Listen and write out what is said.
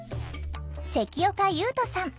関岡勇人さん。